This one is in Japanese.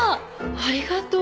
ありがとう。